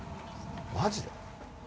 マジで？